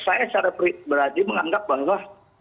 saya secara pribadi menganggap bahwa